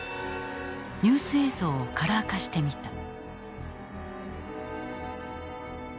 ニュース映像をカラー化してみた。